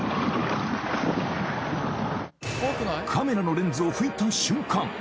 カメラのレンズを拭いた瞬間